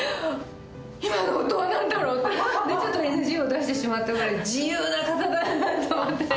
今の音は何だろう？ってＮＧを出してしまったぐらい自由な方だなと思って。